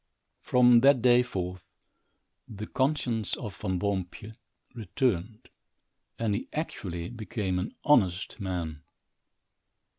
From that day forth the conscience of Van Boompjes returned, and he actually became an honest man.